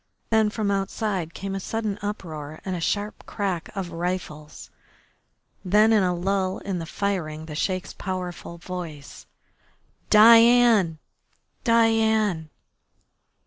Then from outside came a sudden uproar and the sharp crack of rifles. Then in a lull in the firing the Sheik's powerful voice: "Diane! Diane!"